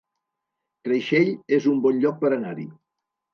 Creixell es un bon lloc per anar-hi